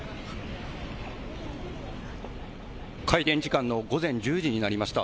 開店時間の午前１０時になりました。